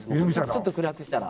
ちょっと暗くしたら。